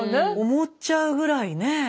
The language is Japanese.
思っちゃうぐらいね。